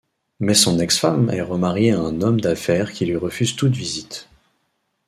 Mais son ex-femme est remariée à un homme d’affaires qui lui refuse toute visite.